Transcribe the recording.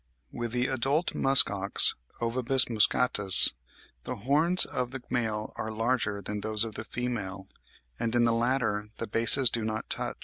With the adult musk ox (Ovibos moschatus) the horns of the male are larger than those of the female, and in the latter the bases do not touch.